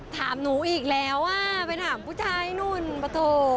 ถามหนูอีกแล้วว่าไปถามผู้ชายนุ่นปะโถ